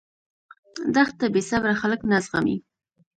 دښته بېصبره خلک نه زغمي.